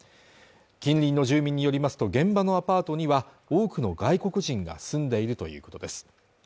近隣の住民によりますと現場のアパートには多くの外国人が住んでいるということです